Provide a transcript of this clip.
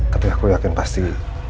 tapi aku yakin pasti